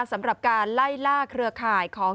สำหรับการไล่ล่าเครือข่ายของ